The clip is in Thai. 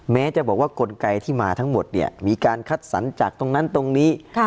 แม้จะบอกว่ากลไกที่มาทั้งหมดเนี่ยมีการคัดสรรจากตรงนั้นตรงนี้